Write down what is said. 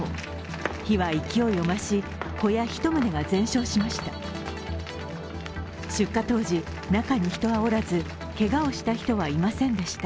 火は勢いを増し小屋１棟が全焼しました。